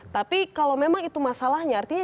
tapi kalau memang itu masalahnya artinya